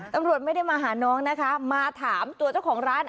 ตำรวจไม่ได้มาหาน้องนะคะมาถามตัวเจ้าของร้าน